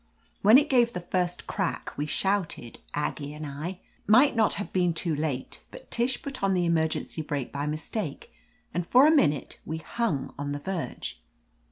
When it gave the first crack we shouted — Aggie and I. It might not haye been too late, but Tish put on the emer gency brake by mistake and for a minute we hung on the verge.